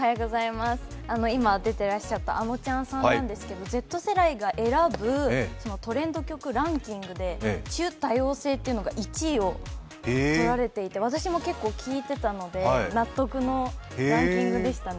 今出てらっしゃったあのちゃさんなんですけどＺ世代が選ぶトレンド曲ランキングで「ちゅ、多様性」っていうのが１位をとられていて私も結構聴いてたので納得のランキングでしたね。